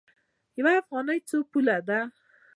یوه افغانۍ څو پوله ده؟